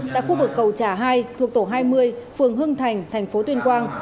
tại khu vực cầu trà hai thuộc tổ hai mươi phường hưng thành thành phố tuyên quang